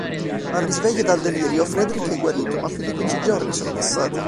Al risveglio dal delirio Frédéric è guarito ma più di quindici giorni sono passati!